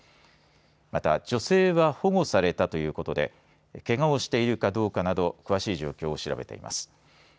また女性は保護されたということでけがをしているかどうかなど詳しい状況を調べています。